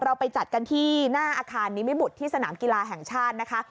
เราไปจัดกันที่หน้าอาคารนิมิบุตรที่สนามกีฬาแห่งชาตินะคะ